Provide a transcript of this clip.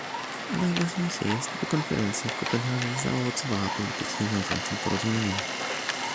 Najważniejsze jest, by konferencja w Kopenhadze zaowocowała politycznie wiążącym porozumieniem